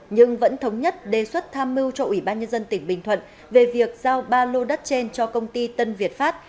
nhưng vẫn thống nhất đề xuất tham mưu cho ubnd tỉnh bình thuận về việc giao ba lô đất trên cho công ty tân việt pháp